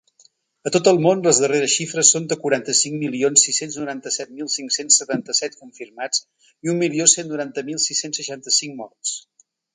A tot el món, les darreres xifres són de quaranta-cinc milions sis-cents noranta-set mil cinc-cents setanta-set confirmats i un milió cent noranta mil sis-cents seixanta-cinc morts.